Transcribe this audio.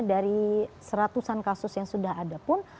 dari seratusan kasus yang sudah ada pun